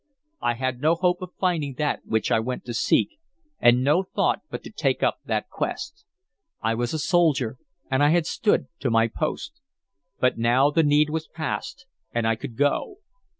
I had no hope of finding that which I went to seek, and no thought but to take up that quest. I was a soldier, and I had stood to my post; but now the need was past, and I could go.